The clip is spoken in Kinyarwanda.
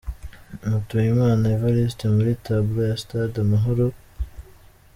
Mutuyimana Evariste muri tableau ya stade Amahoro.